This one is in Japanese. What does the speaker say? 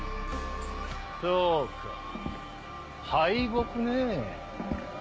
そうか敗北ねぇ。